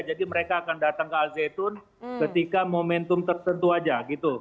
jadi mereka akan datang ke al zaitun ketika momentum tertentu saja